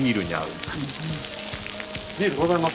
ビールございます。